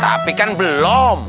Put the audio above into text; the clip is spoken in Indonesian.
tapi kan belum